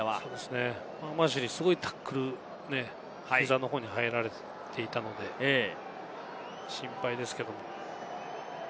ファアマウシリ、すごいタックル、膝のほうに入られていたので心配ですけれども。